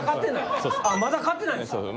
まだ買ってないんすか。